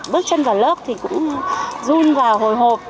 bước chân vào lớp thì cũng run và hồi hộp